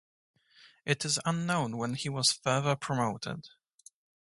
It is unknown when he was further promoted.